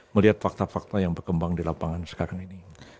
melihat fakta fakta yang berkembang di lapangan sekarang ini